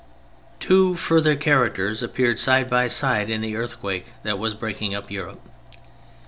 Two further characters appeared side by side in the earthquake that was breaking up Europe.